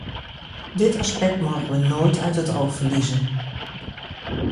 Dit aspect mogen we nooit uit het oog verliezen.